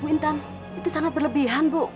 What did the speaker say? bu intan itu sangat berlebihan bu